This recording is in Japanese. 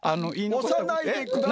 おさないでください！